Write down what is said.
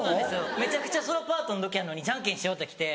めちゃくちゃソロパートの時やのにジャンケンしようって来て。